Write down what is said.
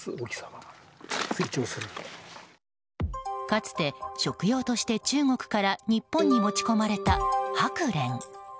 かつて、食用として中国から日本に持ち込まれたハクレン。